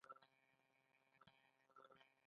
مڼه ولې د روغتیا تضمین ده؟